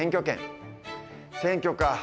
選挙か。